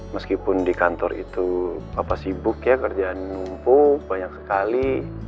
meskipun di kantor itu sibuk ya kerjaan numpuk banyak sekali